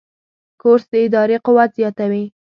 کورس د ارادې قوت زیاتوي.